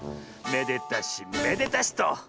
めでたしめでたし」と。